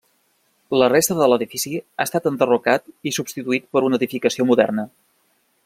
La resta de l'edifici ha estat enderrocat i substituït per una edificació moderna.